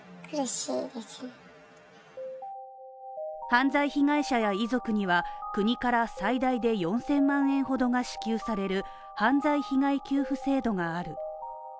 犯罪被害者や遺族には国から最大で４０００万円ほどが支給される犯罪被害給付制度がある。